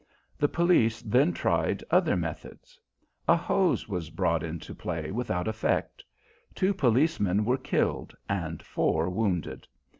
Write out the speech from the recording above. The police then tried other methods. A hose was brought into play without effect. Two policemen were killed and four wounded.